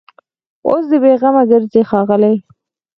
اوس دي بېغمه ګرځي ښاغلي